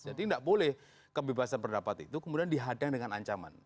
jadi tidak boleh kebebasan pendapat itu kemudian dihadang dengan ancaman